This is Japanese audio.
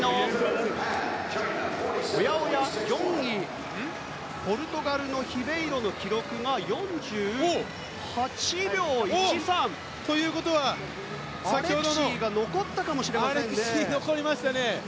おや、４位ポルトガルのヒベイロの記録が４８秒１３。ということはアレクシーが残ったかもしれませんね。